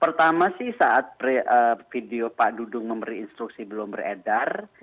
pertama sih saat video pak dudung memberi instruksi belum beredar